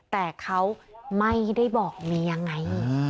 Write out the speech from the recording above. แต่เขาไม่ได้บอกเมียไง